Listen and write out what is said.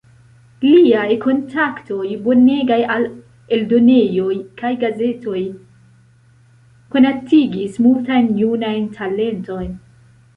Liaj kontaktoj bonegaj al eldonejoj kaj gazetoj konatigis multajn junajn talentojn.